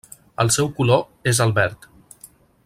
El seu color és el verd.